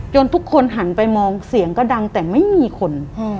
ทุกคนหันไปมองเสียงก็ดังแต่ไม่มีคน